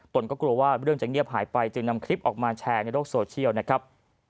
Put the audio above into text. ตนก็กลัวว่าเรื่องจะเงียบหายไปจึงนำคลิปออกมาแชร์ในโลกโซเชียลนะครับ